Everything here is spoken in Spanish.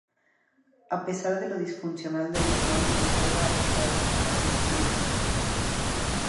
A pesar de lo disfuncional del botón, entrega al usuario una sensación de control.